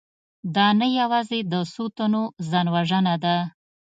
دا نه یوازې د څو تنو ځانوژنه ده